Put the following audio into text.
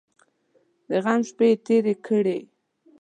د غم شپې یې تېرې کړې.